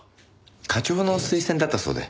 課長の推薦だったそうで。